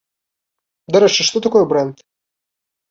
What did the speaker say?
Дарэчы, што такое брэнд?